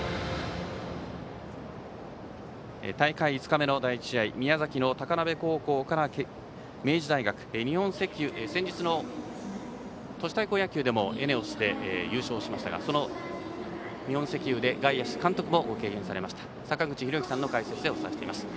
大会５日目の第１試合宮崎の高鍋高校から明治大学先日の都市対抗野球でもＥＮＥＯＳ、優勝しましたがその日本石油で外野手、監督をご経験されました坂口裕之さんの解説でお伝えしています。